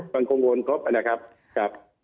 มันคงวนครบนะครับ